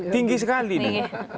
tinggi sekali ini